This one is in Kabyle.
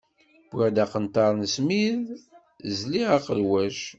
Wwiɣ-d aqenṭar n smid, zliɣ aqelwac.